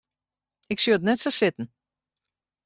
Ik sjoch it net sa sitten.